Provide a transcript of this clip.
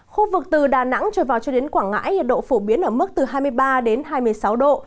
khu vực từ đà nẵng trở vào cho đến quảng ngãi nhiệt độ phổ biến ở mức từ hai mươi ba đến hai mươi sáu độ